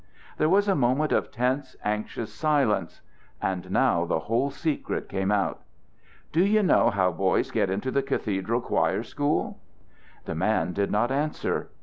There was a moment of tense, anxious silence. And now the whole secret came out: "Do you know how boys get into the cathedral choir school?" The man did not answer.